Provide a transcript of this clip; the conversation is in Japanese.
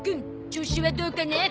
調子はどうかね？